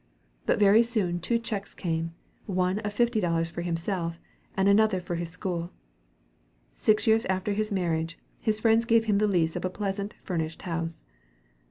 But very soon two checks came, one of fifty dollars for himself, and another for his school. Six years after his marriage, his friends gave him the lease of a pleasant furnished house.